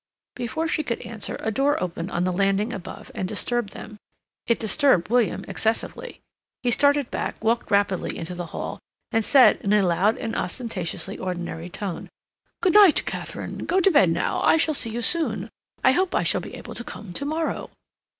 Before she could answer a door opened on the landing above and disturbed them. It disturbed William excessively. He started back, walked rapidly into the hall, and said in a loud and ostentatiously ordinary tone: "Good night, Katharine. Go to bed now. I shall see you soon. I hope I shall be able to come to morrow."